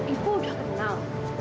ibu udah kenal